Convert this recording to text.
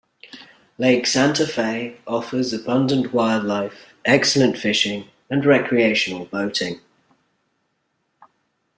Lake Santa Fe offers abundant wildlife, excellent fishing and recreational boating.